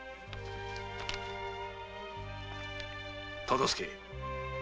忠相！